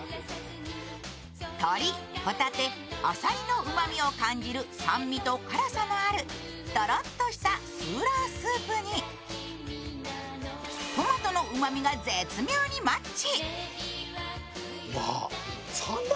鶏、ほたて、野菜のうまみを感じる酸味と辛さのあるとろっとした酸辣スープにトマトのうまみが絶妙にマッチ。